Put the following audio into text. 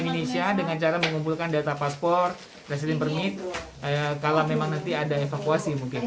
kami ingin mengumpulkan data paspor resilin permit kalau memang nanti ada evakuasi mungkin